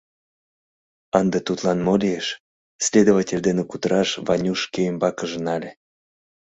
Ынде тудлан мо лиеш? — следователь дене кутыраш Ванюш шке ӱмбакыже нале.